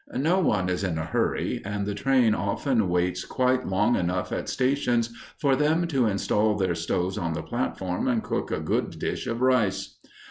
No one is in a hurry, and the train often waits quite long enough at stations for them to install their stoves on the platform, and cook a good dish of rice.